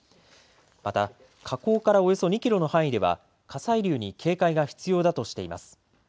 また火口からおよそ２キロの範囲では火砕流に警戒が必要だとしています。